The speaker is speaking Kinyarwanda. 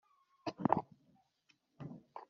ngo nzabaumukire, nzabona akazi keza